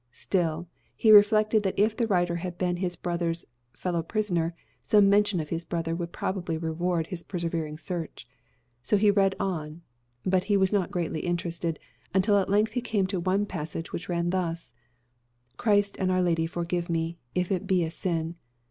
Still, he reflected that if the writer had been his brother's fellow prisoner, some mention of his brother would probably reward his persevering search. So he read on; but he was not greatly interested, until at length he came to one passage which ran thus: "Christ and Our Lady forgive me, if it be a sin.